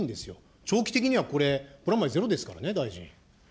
長期的にはこれ、プラマイゼロですからね、大臣。